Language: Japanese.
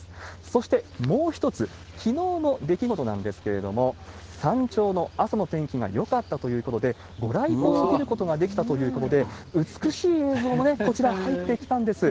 そしてもう一つ、きのうの出来事なんですけれども、山頂の朝の天気がよかったということで、ご来光を見ることができたということで、美しい映像もこちら入ってきたんです。